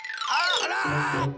あら！